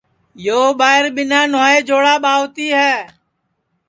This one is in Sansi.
یو ٻائیر ٻینا نھوائے جوڑا ٻاوتی ہے